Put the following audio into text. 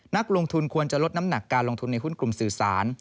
นักลงทุนควรจะลดน้ำหนักการลงทุนในหุ้นกลุ่มสื่อสาร